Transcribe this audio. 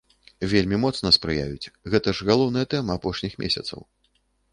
Вельмі моцна спрыяюць, гэта ж галоўная тэма апошніх месяцаў.